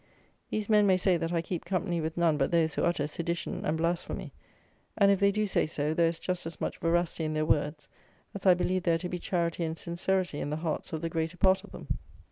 These men may say that I keep company with none but those who utter "sedition and blasphemy;" and if they do say so, there is just as much veracity in their words as I believe there to be charity and sincerity in the hearts of the greater part of them.